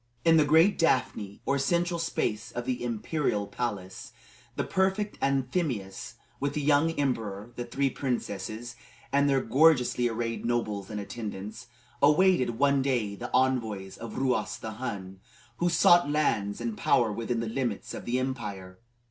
In the great daphne, or central space of the imperial palace, the prefect Anthemius, with the young emperor, the three princesses, and their gorgeously arrayed nobles and attendants, awaited, one day, the envoys of Ruas the Hun, who sought lands and power within the limits of the empire.